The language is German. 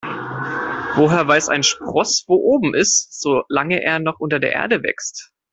Woher weiß ein Spross, wo oben ist, solange er noch unter der Erde wächst?